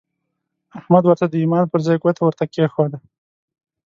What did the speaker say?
احمد ورته د ايمان پر ځای ګوته ورته کېښوده.